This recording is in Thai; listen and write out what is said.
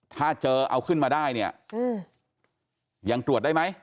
ถ้าเจอเอาขึ้นมาได้เนี่ยยังตรวจได้ไหม